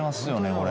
これ。